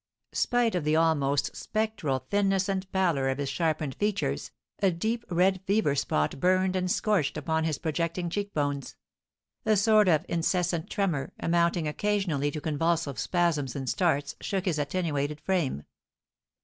Spite of the almost spectral thinness and pallor of his sharpened features, a deep red fever spot burned and scorched upon his projecting cheek bones; a sort of incessant tremor, amounting occasionally to convulsive spasms and starts, shook his attenuated frame.